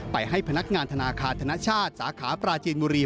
ให้พนักงานธนาคารธนชาติสาขาปราจีนบุรี